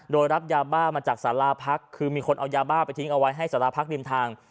โดยรับยาบ้ามาจากสาราพักคือมีคนเอายาบ้าไปทิ้งเอาไว้ให้สาราพักริมทาง